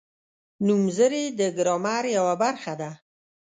نومځري د ګرامر یوه برخه ده.